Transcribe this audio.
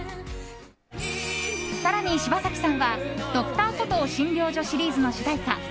更に柴咲さんは「Ｄｒ．コトー診療所」シリーズの主題歌